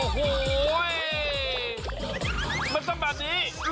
เป็นสมบัติ